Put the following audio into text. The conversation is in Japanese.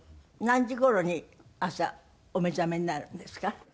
何時頃に朝お目覚めになるんですか？